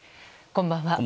こんばんは。